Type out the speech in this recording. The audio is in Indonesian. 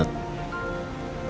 dulu aku sempat